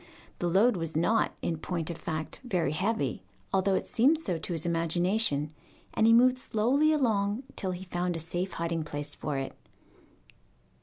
The load was not, in point of fact, very heavy, although it seemed so to his imagination, and he moved slowly along till he found a safe hiding place for it.